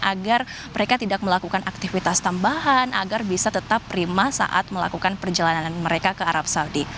agar mereka tidak melakukan aktivitas tambahan agar bisa tetap prima saat melakukan perjalanan mereka ke arab saudi